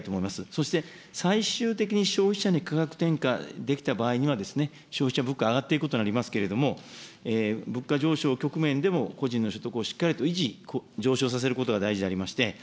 そして、最終的に消費者に価格転嫁できた場合には、消費者物価、上がっていくことになりますけれども、物価上昇局面でも、個人の所得をしっかりと維持、向上させることが大事でありまして。